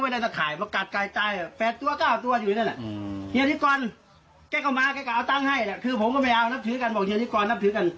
ที่นายแล้วแล้วแกเป็นที่บันเมาส์ตายต่อการแกเจ้าก็ด้วยนี่ไว้แหละ